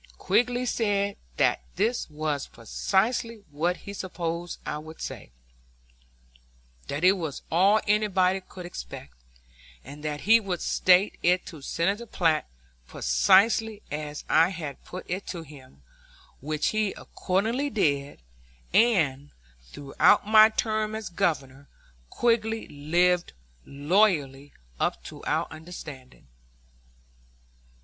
Quigg said that this was precisely what he supposed I would say, that it was all anybody could expect, and that he would state it to Senator Platt precisely as I had put it to him, which he accordingly did; and, throughout my term as Governor, Quigg lived loyally up to our understanding.